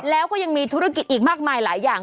แล้วก็ยังมีธุรกิจอีกมากมายหลายอย่าง